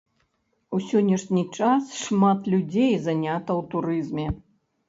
У сённяшні час шмат людзей занята ў турызме.